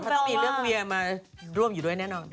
มันต้องมีเรื่องเวียมาร่วมอยู่ด้วยแน่นอน